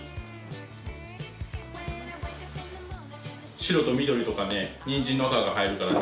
白と緑とかねニンジンの赤が入るからね